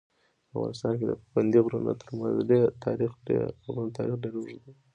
په افغانستان کې د پابندي غرونو تاریخ ډېر اوږد دی.